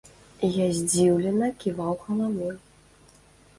І я здзіўлена ківаў галавой.